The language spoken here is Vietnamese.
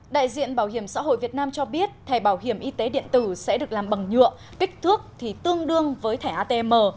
đại diện bảo hiểm xã hội việt nam cho biết thẻ bảo hiểm y tế điện tử sẽ được làm bằng nhựa kích thước thì tương đương với thẻ atm